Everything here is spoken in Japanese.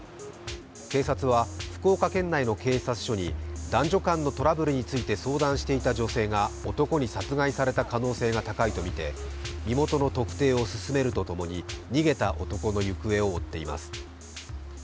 警察は福岡県内の警察署に男女間のトラブルについて相談していた女性が男殺害された可能性が高いとみて身元の特定を進めるとともに、逃げた男の行方を追っています。